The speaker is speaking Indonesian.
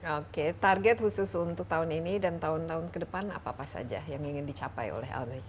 oke target khusus untuk tahun ini dan tahun tahun ke depan apa apa saja yang ingin dicapai oleh al zaitun